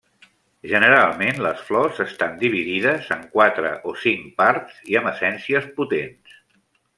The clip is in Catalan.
Generalment les flors estan dividides en quatre o cinc parts i amb essències potents.